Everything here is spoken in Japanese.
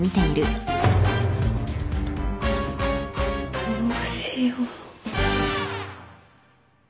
どうしよう。